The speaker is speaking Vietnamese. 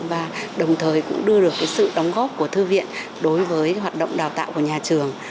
và đồng thời cũng đưa được sự đóng góp của thư viện đối với hoạt động đào tạo của nhà trường